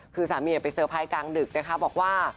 คือสามีไปเซอร์ไพรส์กลางดึกนะคะบอกว่า